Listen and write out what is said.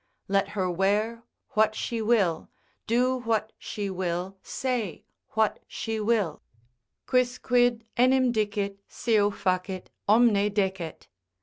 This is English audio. Let her wear what she will, do what she will, say what she will, Quicquid enim dicit, seu facit, omne decet.